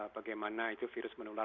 bagaimana itu virus menular